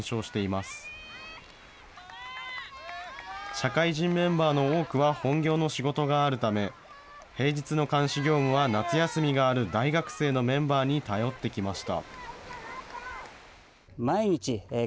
社会人メンバーの多くは本業の仕事があるため、平日の監視業務は夏休みがある大学生のメンバーに頼ってきました。